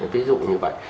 ví dụ như vậy